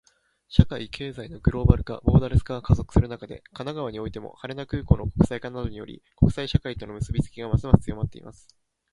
社会・経済のグローバル化、ボーダレス化が加速する中で、神奈川においても、羽田空港の国際化などにより、国際社会との結びつきがますます強まっています。